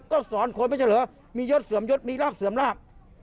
ก็สอนคนไม่ใช่เหรอมียศเสื่อมยศมีลาบเสื่อมลาบ